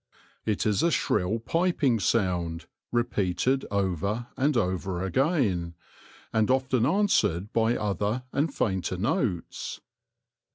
It is a shrill piping sound, repeated over and over again, and often answered by other and fainter notes.